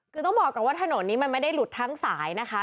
คือต้องบอกก่อนว่าถนนนี้มันไม่ได้หลุดทั้งสายนะคะ